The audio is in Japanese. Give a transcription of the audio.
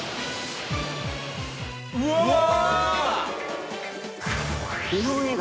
うわ！